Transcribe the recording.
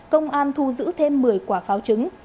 công an thu giữ thêm một mươi quả pháo trứng